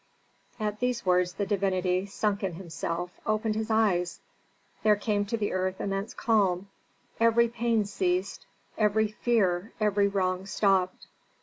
At these words the divinity, sunk in himself, opened his eyes there came to the earth immense calm. Every pain ceased, every fear, every wrong stopped.